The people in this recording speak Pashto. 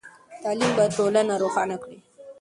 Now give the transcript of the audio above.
تعلیم به ټولنه روښانه کړئ.